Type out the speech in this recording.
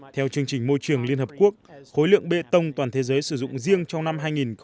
theo chương trình môi trường liên hợp quốc khối lượng bê tông toàn thế giới sử dụng riêng trong năm hai nghìn một mươi chín